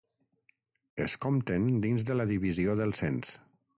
Es compten dins de la divisió del cens.